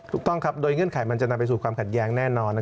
ถูกต้องครับโดยเงื่อนไขมันจะนำไปสู่ความขัดแย้งแน่นอน